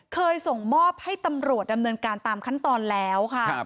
ส่งมอบให้ตำรวจดำเนินการตามขั้นตอนแล้วค่ะ